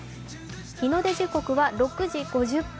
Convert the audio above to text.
日の出時刻は６時５０分。